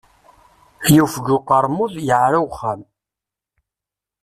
Yufeg uqermud, yeɛra uxxam.